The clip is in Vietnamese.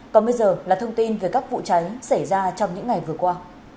còn bây giờ là thông tin về các vụ cháy xảy ra trong những ngày vừa qua